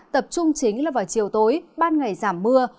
tập trung chính là vào chiều tối ban ngày giảm mưa